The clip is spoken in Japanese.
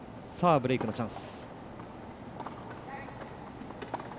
ブレークのチャンス。